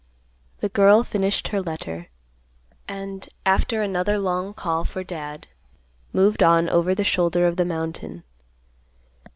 The girl finished her letter, and, after another long call for Dad, moved on over the shoulder of the mountain.